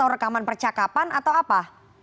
rekaman percakapan atau apa